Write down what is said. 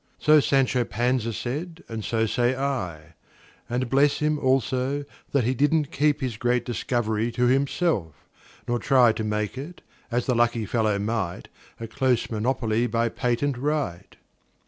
So Sancho Panza said, and so say I:And bless him, also, that he did n't keepHis great discovery to himself; nor tryTo make it—as the lucky fellow might—A close monopoly by patent right!